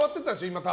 今。